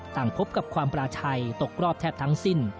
พบกับความปลาชัยตกรอบแทบทั้งสิ้น